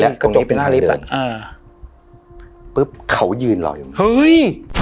และตรงนี้เป็นทางเดินอ่าปุ๊บเขายืนรออยู่ตรงนี้เฮ้ย